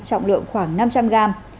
trọng lượng khoảng năm trăm linh gram